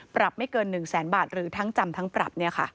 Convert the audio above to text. ปรับไม่เกิน๑แสนบาทหรือทั้งจำทั้งปรับ